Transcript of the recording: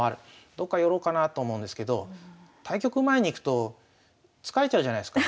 どっか寄ろうかなと思うんですけど対局前に行くと疲れちゃうじゃないですか。